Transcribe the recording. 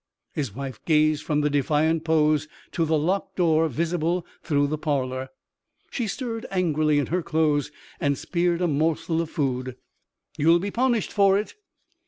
His wife gazed from the defiant pose to the locked door visible through the parlour. She stirred angrily in her clothes and speared a morsel of food. "You'll be punished for it."